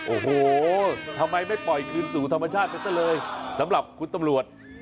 โอ้โหทำไมไม่ปล่อยคืนสู่ธรรมชาติไปซะเลยสำหรับคุณตำรวจ